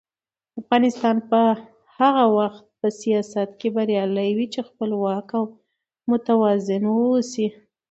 افغانستان به هغه وخت په سیاست کې بریالی وي چې خپلواک او متوازن واوسي.